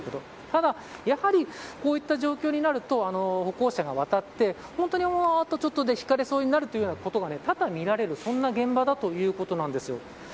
ただ、やはりこういう状況になると歩行者が渡って、あとちょっとでひかれそうになることが多々見られる現場だということなんですよ。